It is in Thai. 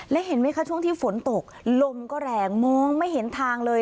และเห็นไหมคะช่วงที่ฝนตกลมก็แรงมองไม่เห็นทางเลย